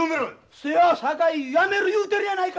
せやさかいやめる言うてるやないか！